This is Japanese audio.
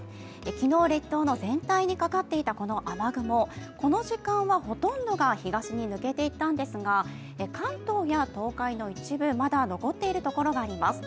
昨日、列島の全体にかかっていた雨雲、この時間はほとんどが東に抜けていったんですが、関東や東海の一部、まだ残っているところがあります。